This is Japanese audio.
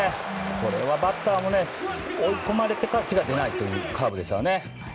これはバッターも追い込まれていたから手が出ないというカーブでしたね。